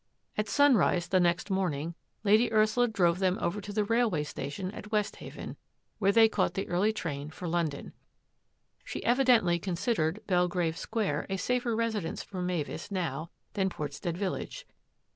At sun rise the next morning Lady Ursula drove them over to the railway station at Westhaven, where they caught the early train for London. She evi dently considered Belgrave Square a safer resi dence for Mavis now than Portstead village.